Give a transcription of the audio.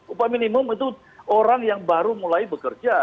upah minimum itu orang yang baru mulai bekerja